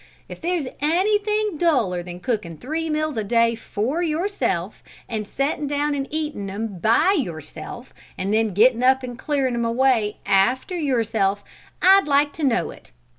"If there's anything duller than cookin' three meals a day for yourself, and settin' down and eatin' 'em by yourself, and then gettin' up and clearin' 'em away after yourself, I'd like to know it!